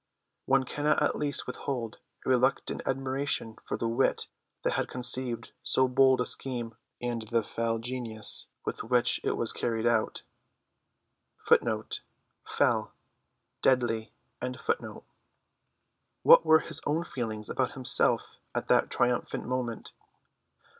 One cannot at least withhold a reluctant admiration for the wit that had conceived so bold a scheme, and the fell genius with which it was carried out. What were his own feelings about himself at that triumphant moment?